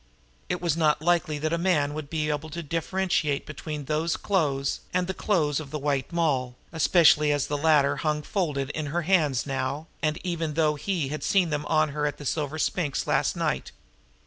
It was not likely that a man would be able to differentiate between those clothes and the clothes of the White Moll, especially as the latter hung folded in her hands now, and even though he had seen them on her at the Silver Sphinx last night.